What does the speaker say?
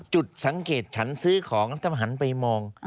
จุดสังเกตฉันซื้อของแล้วต้องหันไปมอง